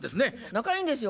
仲いいんですよ